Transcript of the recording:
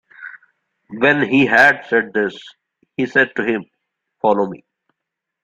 When he had said this, he said to him, Follow me.